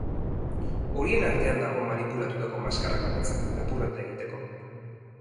Horien artean dago manipulatutako maskarak banatzen, lapurreta egiteko.